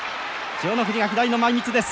千代の富士が左の前みつです。